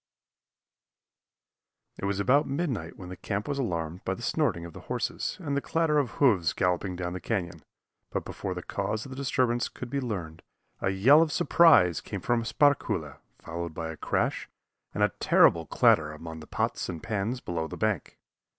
It was about midnight when the camp was alarmed by the snorting of the horses and the clatter of hoofs galloping down the canyon, but before the cause of the disturbance could be learned a yell of surprise came from Sparkuhle, followed by a crash and a terrible clatter among the pots and pans below the bank.